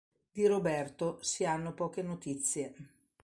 Di Roberto si hanno poche notizie.